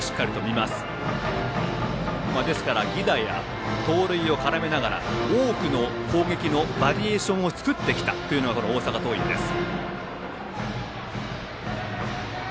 犠打や盗塁を絡めながら多くの攻撃のバリエーションを作ってきたのが大阪桐蔭です。